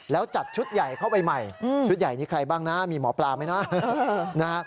แล้วจัดชุดใหญ่เข้าไปใหม่ชุดใหญ่นี้ใครบ้างนะมีหมอปลาไหมนะ